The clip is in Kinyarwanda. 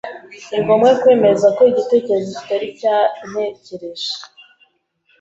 Ningomba kwemeza ko igitekerezo kitari cyantekereje.